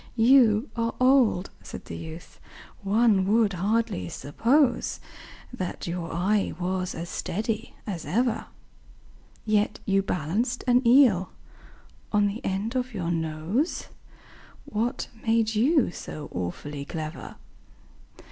"You are old," said the youth, "one would hardly suppose That your eye was as steady as ever; Yet you balanced an eel on the end of your nose What made you so awfully clever?"